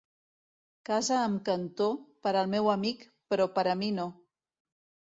Casa amb cantó, per al meu amic, però per a mi no.